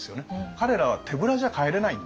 彼らは手ぶらじゃ帰れないんですよね。